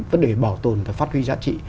vấn đề bảo tồn và phát huy giá trị